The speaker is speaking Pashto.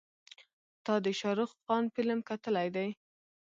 تا د شارخ خان فلم کتلی دی.